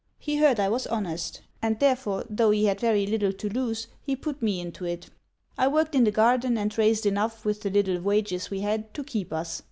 He heard I was honest; and therefore, tho' he had very little to lose, he put me into it. I worked in the garden, and raised enough, with the little wages we had, to keep us.